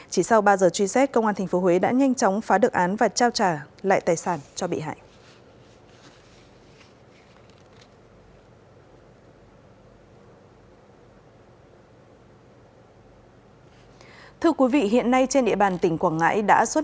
chỉ sau ba giờ truy xét công an tp huế đã nhanh chóng phá được án và trao trả lại tài sản cho bị hại